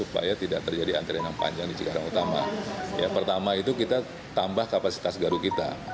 pertama itu kita tambah kapasitas garu kita